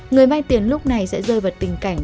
người vay tiền lúc này sẽ rơi vào tình cảnh